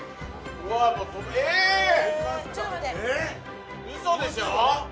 うそでしょ？